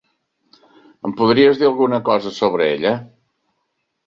Em podries dir alguna cosa sobre ella?